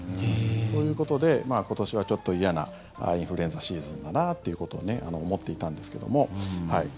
そういうことで、今年はちょっと嫌なインフルエンザシーズンだなっていうことを思っていたんですけども。